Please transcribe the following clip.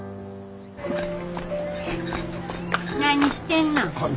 何してんのん。